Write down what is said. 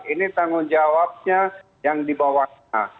ini tanggung jawabnya yang dibawahnya